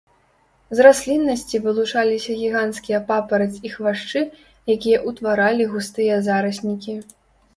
З расліннасці вылучаліся гіганцкія папараць і хвашчы, якія ўтваралі густыя зараснікі.